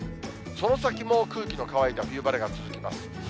その先も空気の乾いた冬晴れが続きます。